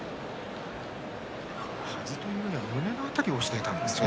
はずというよりは胸の辺りを押さえたんですね。